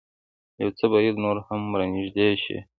يو څه بايد نور هم را نېږدې شي.